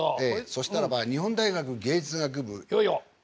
そしたらば日本大学芸術学部映画学科。